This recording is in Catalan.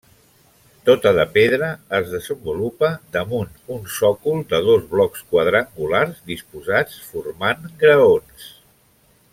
Tota de pedra es desenvolupa damunt un sòcol de dos blocs quadrangulars disposats formant graons.